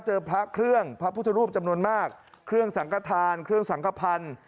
พระเครื่องพระพุทธรูปจำนวนมากเครื่องสังกฐานเครื่องสังขพันธ์